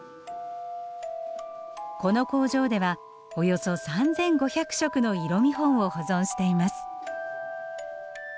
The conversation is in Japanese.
この工場ではおよそ３，５００色の色見本を保存しています。